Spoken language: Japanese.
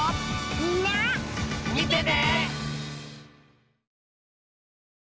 みんなみてね！